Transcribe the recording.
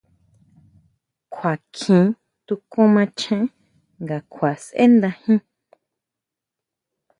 Kjua kjí tukún macheén nga kjua sʼendajin.